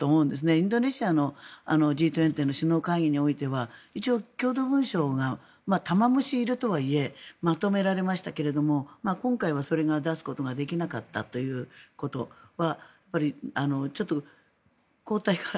インドネシアのＧ２０の首脳会議においては一応、共同文書が玉虫色とはいえまとめられましたけど今回はそれを出すことができなかったということはちょっと後退かな